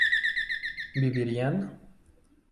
¿vivirían?